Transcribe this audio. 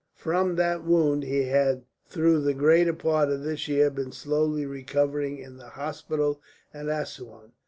From that wound he had through the greater part of this year been slowly recovering in the hospital at Assouan.